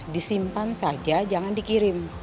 disimpan saja jangan dikirim